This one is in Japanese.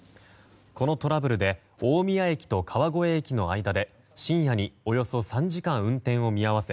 このトラブルで大宮駅と川越駅の間で深夜におよそ３時間運転を見合わせ